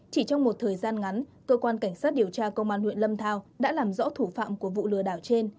chỉ trong một thời gian ngắn cơ quan cảnh sát điều tra công an huyện lâm thao đã làm rõ thủ phạm của vụ lừa đảo trên